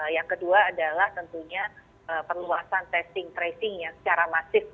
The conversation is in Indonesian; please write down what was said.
yang kedua adalah tentunya perluasan testing tracingnya secara masif